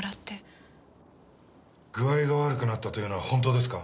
具合が悪くなったというのは本当ですか？